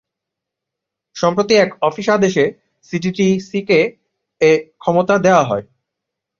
সম্প্রতি এক অফিস আদেশে সিটিটিসিকে এ ক্ষমতা দেওয়া হয়।